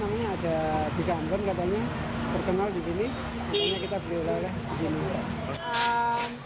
kalau ada bika ambon katanya terkenal di sini makanya kita beli oleh jogja medan